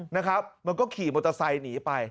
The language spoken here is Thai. นะคะมันก็ขี่มอเตอร์ไซท์นี่ไป